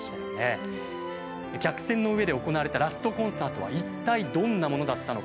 客船の上で行われたラストコンサートは一体どんなものだったのか。